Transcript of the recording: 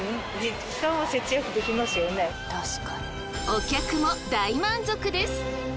お客も大満足です！